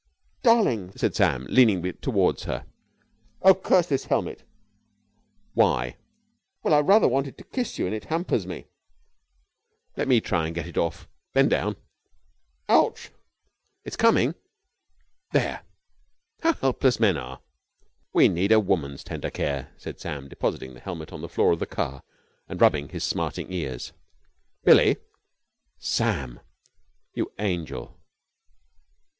"Darling!" said Sam, leaning towards her, "Oh, curse this helmet!" "Why?" "Well, I rather wanted to kiss you and it hampers me." "Let me try and get it off. Bend down!" "Ouch!" said Sam. "It's coming. There! How helpless men are!" "We need a woman's tender care," said Sam depositing the helmet on the floor of the car, and rubbing his smarting ears. "Billie!" "Sam!" "You angel!"